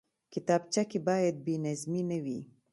کتابچه کې باید بېنظمي نه وي